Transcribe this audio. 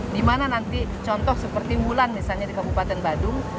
di mana nanti contoh seperti bulan misalnya di kabupaten badung